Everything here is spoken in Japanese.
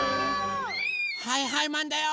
はいはいマンだよ！